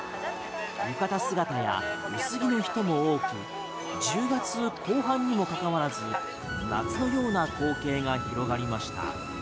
浴衣姿や薄着の人も多く１０月後半にもかかわらず夏のような光景が広がりました。